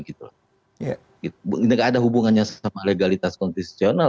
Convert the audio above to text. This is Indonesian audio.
ini gak ada hubungannya sama legalitas kontisional